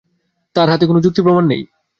তাঁর হাতে কোনো যুক্তি-প্রমাণ নেই।